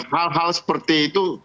hal hal seperti itu